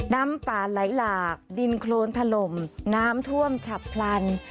น้ำป่าไหลหลากดินโครนถล่มน้ำท่วมฉับพลัน